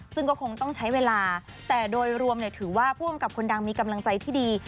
ซึ่งก็คงต้องใช้เวลาแต่โดยรวมถือว่าผู้กำกับคนดังมีกำลังใจที่ดี